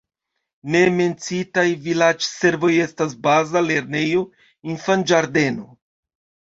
Ne menciitaj vilaĝservoj estas baza lernejo, infanĝardeno.